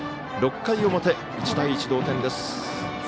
６回表、１対１、同点です。